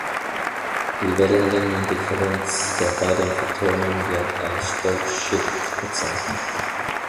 Die Wellenlängen-Differenz der beiden Photonen wird als Stokes-Shift bezeichnet.